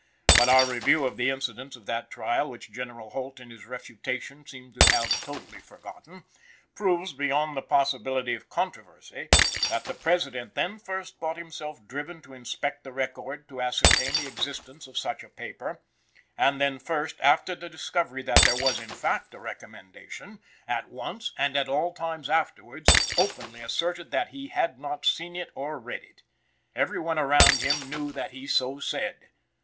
But our review of the incidents of that trial, which General Holt in his refutation seemed to have totally forgotten, proves, beyond the possibility of controversy, that the President then first thought himself driven to inspect the record to ascertain the existence of such a paper, and then first, after the discovery that there was in fact a recommendation, at once, and at all times afterwards, openly asserted that he had not seen it or read it. Every one around him knew that he so said.